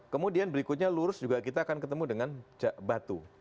kemudian berikutnya lurus juga kita akan ketemu dengan batu